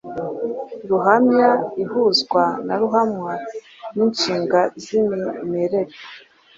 Ruhamya ihuzwa na ruhamwa n’inshinga z’imimerere